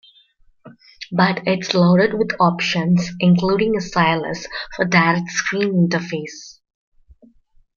But it's loaded with options, including a stylus for direct screen interface.